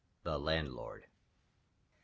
5. The Landlord. Mrs.